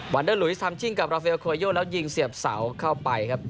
เดอร์ลุยทำชิ่งกับราเฟลโคโยแล้วยิงเสียบเสาเข้าไปครับ